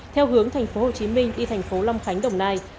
theo hướng thành phố hồ chí minh đi thành phố lâm khánh đồng nai